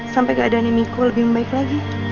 sampai keadaan miko lebih membaik lagi